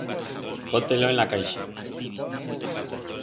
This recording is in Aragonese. Fote-lo en la caixa.